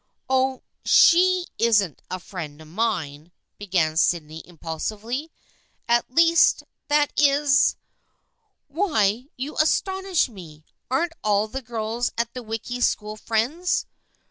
Oh, she isn't a friend of mine !" began Sydney impulsively. " At least — that is "" Why, you astonish me ! Aren't all the girls at the Wicky School friends?